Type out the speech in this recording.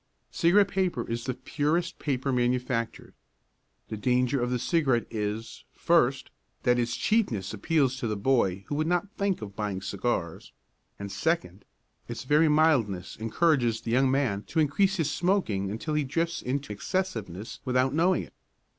Cigarette paper is the purest paper manufactured. The danger of the cigarette is, first, that its cheapness appeals to the boy who would not think of buying cigars; and second, its very mildness encourages the young man to increase his smoking until he drifts into excessiveness without knowing it.